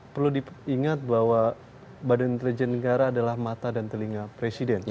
perlu diingat bahwa badan intelijen negara adalah mata dan telinga presiden